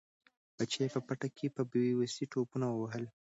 بچي یې په پټي کې په بې وسۍ ټوپونه وهل.